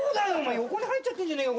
横に入っちゃってんじゃねえか。